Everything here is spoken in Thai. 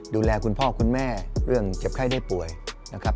ดูแลคุณพ่อคุณแม่เรื่องเจ็บไข้ได้ป่วยนะครับ